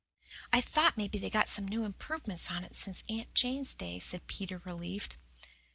"I thought maybe they'd got some new improvements on it since Aunt Jane's day," said Peter, relieved.